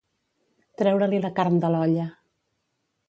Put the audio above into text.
Treure-li la carn de l'olla.